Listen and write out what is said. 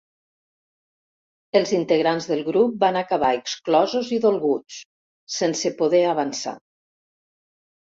Els integrants del grup van acabar exclosos i dolguts, sense poder avançar.